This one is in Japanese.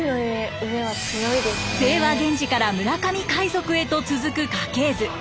清和源氏から村上海賊へと続く家系図。